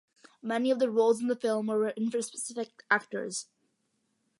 Many of the roles in the film were written for specific actors.